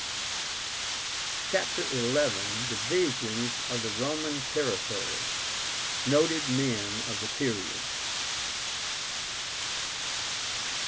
CHAPTER XI. DIVISIONS OF THE ROMAN TERRITORY. NOTED MEN OF THE PERIOD.